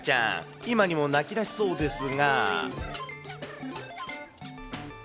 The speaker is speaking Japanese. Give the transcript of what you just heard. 今にも泣きだしそうですが。